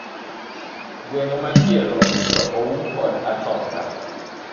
Gweno machielo to oum kod atonga